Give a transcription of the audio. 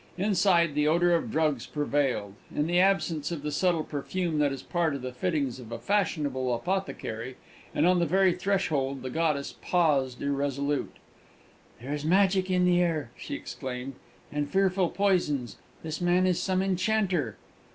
Inside, the odour of drugs prevailed, in the absence of the subtle perfume that is part of the fittings of a fashionable apothecary, and on the very threshold the goddess paused irresolute. "There is magic in the air," she exclaimed, "and fearful poisons. This man is some enchanter!"